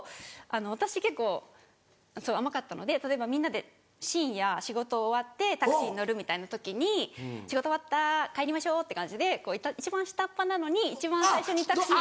私結構甘かったので例えばみんなで深夜仕事終わってタクシー乗るみたいな時に仕事終わった帰りましょうって感じで一番下っ端なのに一番最初にタクシーに乗って。